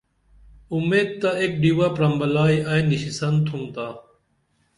امید تہ ایک ڈیوہ پرمبلائی ائی نِشِسن تُھم تا